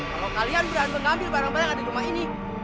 kalau kalian berani mengambil barang barang yang ada di rumah ini